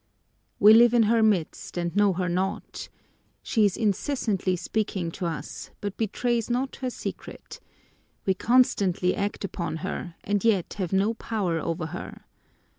We live in her midst and know her not. She is incessantly speaking to us, but betrays not her secret. We constantly act upon her, and yet have no power over her.